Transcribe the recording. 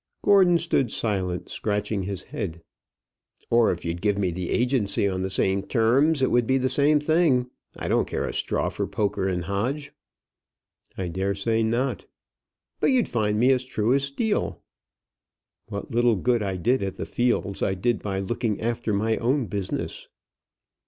Gordon stood silent, scratching his head. "Or if you'd give me the agency on the same terms, it would be the same thing. I don't care a straw for Poker & Hodge." "I daresay not." "But you'd find me as true as steel." "What little good I did at the Fields I did by looking after my own business."